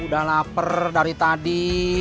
udah lapar dari tadi